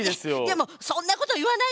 でもそんなこと言わないでよ。